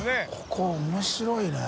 ここ面白いね。